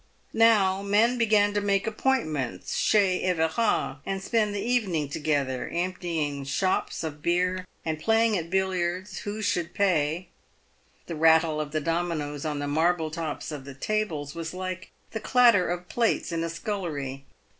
Now men began to make appointments " chez Everard," and spend the evening together, emptying choppes of beer and playing at billiards " who should pay." The rattle of the dominoes on the marble tops of the tables was like the clatter of plates in a scullery.